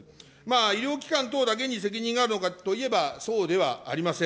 医療機関等だけに責任があるのかといえば、そうではありません。